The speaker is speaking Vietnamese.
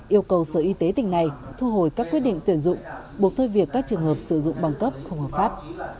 yêu cầu sở y tế tỉnh này thu hồi các quyết định tuyển dụng buộc thôi việc các trường hợp sử dụng băng cấp không hợp pháp